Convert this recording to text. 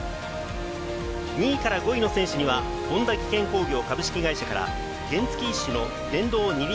２位から５位の選手には本田技研工業株式会社から原付一種の電動二輪